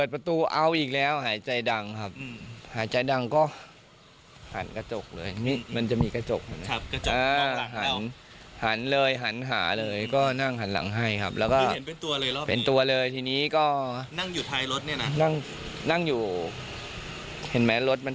พี่เขาคุยกับผีแดงเลย